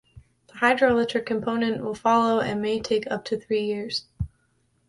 The hydroelectric component will follow and may take up to three years.